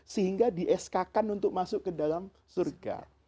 sehingga di sk kan untuk masuk ke dalam surga